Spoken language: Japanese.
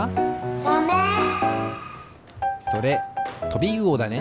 サメ！それトビウオだね。